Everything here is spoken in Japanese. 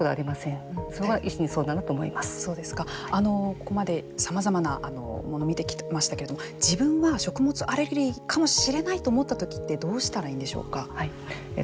ここまで、さまざまなものを見てきましたけれども自分は食物アレルギーかもしれないと思ったときってどうしたらいいんでしょうか。